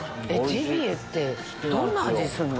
ジビエってどんな味すんの？